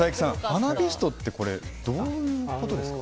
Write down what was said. ハナビストってどういうことですか？